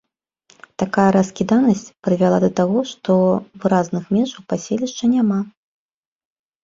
Такая раскіданасць прывяла да таго, што выразных межаў паселішча няма.